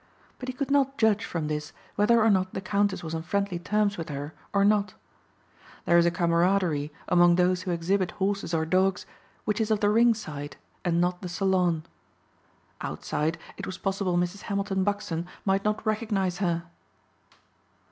But he could not judge from this whether or not the Countess was on friendly terms with her or not. There is a camaraderie among those who exhibit horses or dogs which is of the ring side and not the salon. Outside it was possible Mrs. Hamilton Buxton might not recognize her.